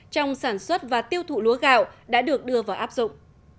trong sản xuất và tiêu thụ lúa gạo đã được đưa vào áp dụng